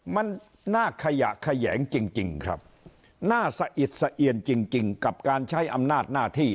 มันน่าขยะแขยงจริงครับน่าสะอิดสะเอียนจริงกับการใช้อำนาจหน้าที่